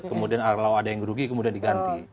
kemudian kalau ada yang rugi kemudian diganti